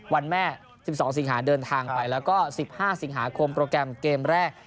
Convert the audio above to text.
วันแม่๑๒สิงหาเดินทางไปแล้วก็๑๕สิงหาคมโปรแกรมเกมแรก